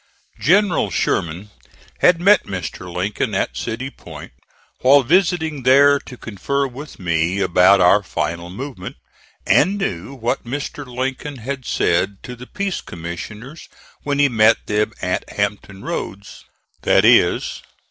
General Sherman had met Mr. Lincoln at City Point while visiting there to confer with me about our final movement, and knew what Mr. Lincoln had said to the peace commissioners when he met them at Hampton Roads, viz.